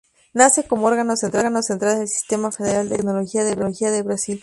Nace como órgano central del sistema federal de ciencia y tecnología de Brasil.